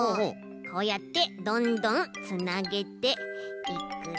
こうやってどんどんつなげていくと。